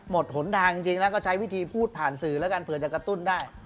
หนทางจริงแล้วก็ใช้วิธีพูดผ่านสื่อแล้วกันเผื่อจะกระตุ้นได้